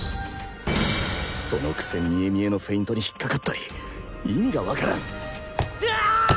そのくせみえみえのフェイントにひっかかったり意味がわからんだああ